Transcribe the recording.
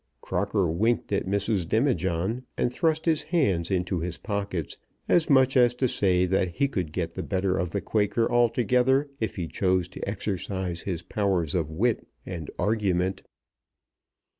Crocker winked at Mrs. Demijohn, and thrust his hands into his pockets as much as to say that he could get the better of the Quaker altogether if he chose to exercise his powers of wit and argument.